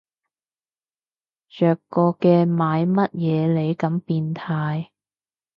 着過嘅買乜嘢你咁變態